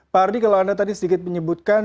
pak ardi kalau anda tadi sedikit menyebutkan